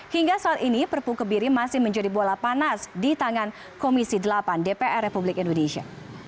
hingga saat ini perpu kebiri masih menjadi bola panas di tangan komisi delapan dpr republik indonesia